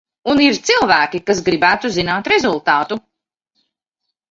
Un ir cilvēki, kas gribētu zināt rezultātu.